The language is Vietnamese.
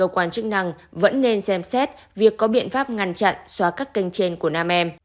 quan chức năng vẫn nên xem xét việc có biện pháp ngăn chặn xóa các kênh trên của nam em